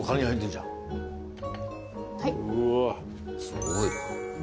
すごい。